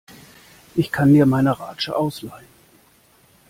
Ich kann dir meine Ratsche ausleihen.